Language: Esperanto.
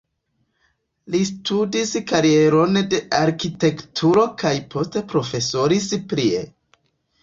Li studis karieron de arkitekturo kaj poste profesoris prie.